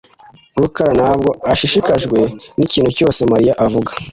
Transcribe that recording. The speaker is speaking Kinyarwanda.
Rukara ntabwo ashishikajwe n'ikintu cyose Mariya avuga.